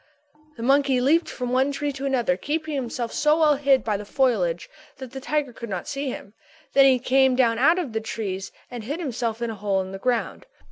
The monkey leaped from one tree to another keeping himself so well hid by the foliage that the tiger could not see him. Then he came down out of the trees and hid himself in a hole in the ground.